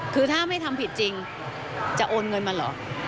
คือถ้าไม่ทำผิดจริงจะโอนเงินมาเหรอ